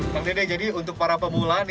pak dede jadi untuk para pemula